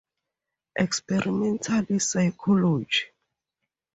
Experimental psychology